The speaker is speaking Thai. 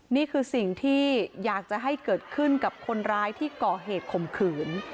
นี่คือสิ่งที่อยากจะให้เกิดขึ้นกับคนร้ายที่ก่อเหตุข่มขืน